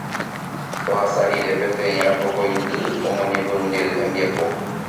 Ohasa rire peteĩ arapokõindy omoñepyrũjey hembiapo.